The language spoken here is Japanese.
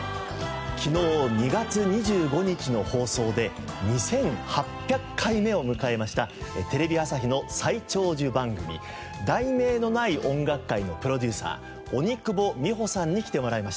昨日２月２５日の放送で２８００回目を迎えましたテレビ朝日の最長寿番組『題名のない音楽会』のプロデューサー鬼久保美帆さんに来てもらいました。